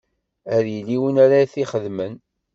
Ad yili win ara t-ixedmen.